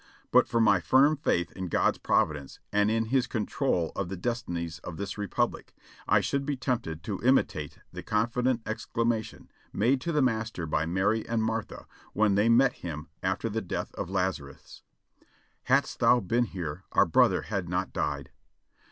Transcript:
But for my firm faith in God's Providence, and in His control of the destinies of this Republic, I should be tempted to imitate the confident exclamation made to the Master by }>Iary and Martha when they met Him after the death of Lazarus: 'Hadst thou been here, our brother had not died.'